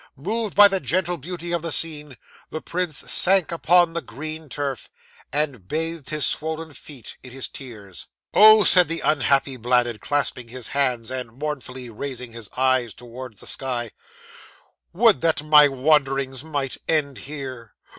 Moved by the gentle beauty of the scene, the prince sank upon the green turf, and bathed his swollen feet in his tears. '"Oh!" said the unhappy Bladud, clasping his hands, and mournfully raising his eyes towards the sky, "would that my wanderings might end here!